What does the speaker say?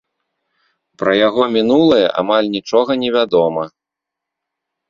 Пра яго мінулае амаль нічога невядома.